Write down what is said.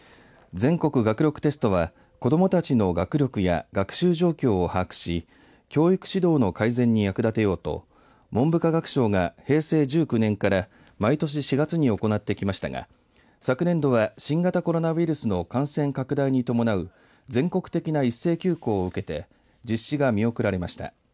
全国学力テストは子どもたちの学力や学習状況を把握し教育指導の改善に役立てようと文部科学省が平成１９年から毎年４月に行ってきましたが昨年度は新型コロナウイルスの感染拡大に伴う全国的な一斉休校を受けて実施が見送られました。